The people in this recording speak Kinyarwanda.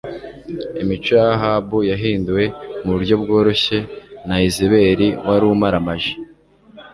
imico ya Ahabu yahinduwe mu buryo bworoshye na Yezebeli wari umaramaje